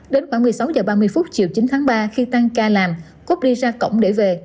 đến khoảng một mươi sáu h ba mươi chiều chín tháng ba khi tăng ca làm cúp đi ra cổng để về